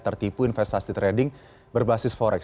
tertipu investasi trading berbasis forex